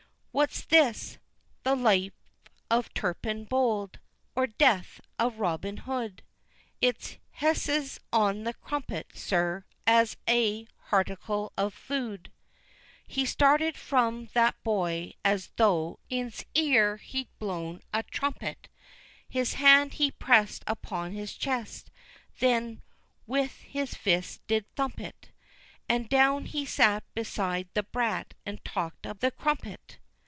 What's this? 'The life of Turpin Bold!' or 'Death of Robin Hood'?" "It's 'Hessays on the Crumpet,' sir, as a harticle of food!" He started from that boy as tho' in's ear he'd blown a trumpet, His hand he pressed upon his chest, then with his fist did thump it, And down he sat beside the brat and talked about The Crumpet.